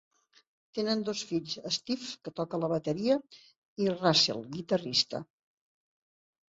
Tenen dos fills, Steve, que toca la bateria, i Russell, guitarrista.